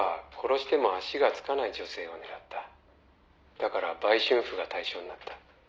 「だから売春婦が対象になった」